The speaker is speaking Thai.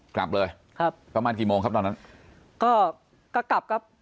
กลับเลยครับประมาณกี่โมงครับตอนนั้นก็ก็กลับครับ